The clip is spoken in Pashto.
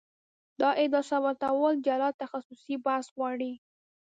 دا ادعا ثابتول جلا تخصصي بحث غواړي.